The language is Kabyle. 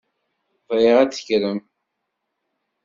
Bɣiɣ ad tekkrem.